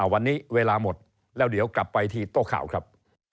วันนี้เวลาหมดแล้วเดี๋ยวกลับไปที่โต๊ะข่าวครับ